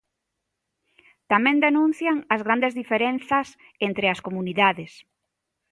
Tamén denuncian as grandes diferenzas entre as comunidades.